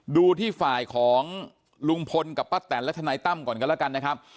ดูที่ฝ่ายของลุงพลกับป้าแตนและทนายตั้มก่อนกันแล้วกันนะครับ